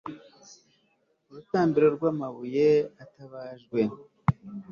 urutambiro rw'amabuye atabajwe